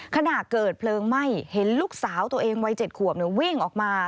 ขณะเกิดเพลิงไหม้เห็นลูกสาวตัวเองวัย๗ขวบวิ่งออกมา